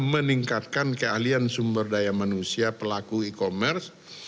meningkatkan keahlian sumber daya manusia pelaku e commerce